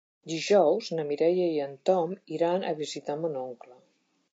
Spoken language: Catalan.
Dijous na Mireia i en Tom iran a visitar mon oncle.